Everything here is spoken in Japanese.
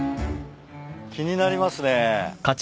気になりますね。